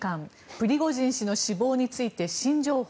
プリゴジン氏の死亡について新情報。